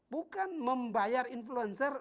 bukan membayar influencer